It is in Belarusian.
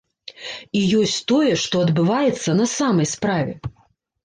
І ёсць тое, што адбываецца на самай справе.